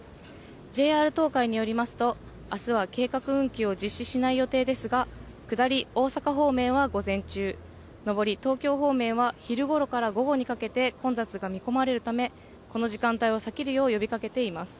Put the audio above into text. ＪＲ東海によりますと、あすは計画運休を実施しない予定ですが、下り大阪方面は午前中、上り東京方面は昼ごろから午後にかけて混雑が見込まれるため、この時間帯を避けるよう呼びかけています。